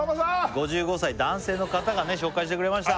５５歳男性の方がね紹介してくれました